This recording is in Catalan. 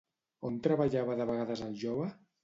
On treballava de vegades el jove?